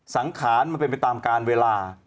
สังขารมันเป็นไปตามการเวลา